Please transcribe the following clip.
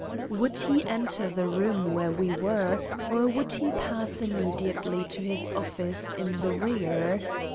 Would he enter the room where we were, or would he pass immediately to his office in the rear?